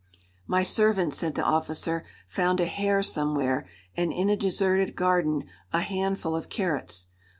"My servant," said the officer, "found a hare somewhere, and in a deserted garden a handful of carrots.